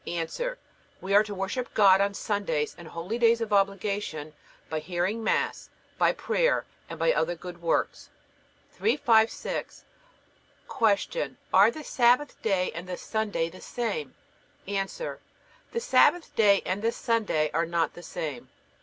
A. We are to worship God on Sundays and holydays of obligation by hearing Mass, by prayer, and by other good works. 356. Q. Are the Sabbath day and the Sunday the same? A. The Sabbath day and the Sunday are not the same.